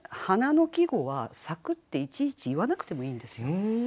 花の季語は「咲く」っていちいち言わなくてもいいんですよ。